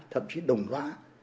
thậm chí đồng loại